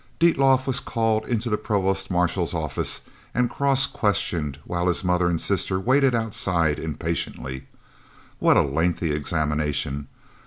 Dietlof was called into the Provost Marshal's office and cross questioned, while his mother and sister waited outside impatiently. What a lengthy examination!